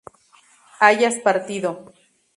hayas partido